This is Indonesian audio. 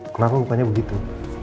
kenapa bukannya begitu